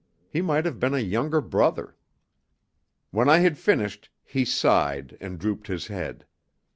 He might have been a younger brother. When I had finished he sighed and drooped his head.